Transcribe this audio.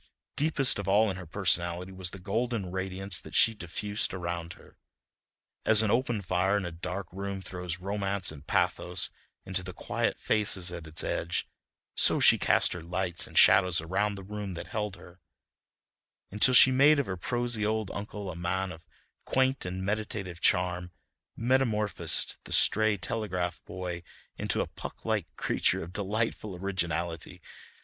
Deepest of all in her personality was the golden radiance that she diffused around her. As an open fire in a dark room throws romance and pathos into the quiet faces at its edge, so she cast her lights and shadows around the rooms that held her, until she made of her prosy old uncle a man of quaint and meditative charm, metamorphosed the stray telegraph boy into a Puck like creature of delightful originality.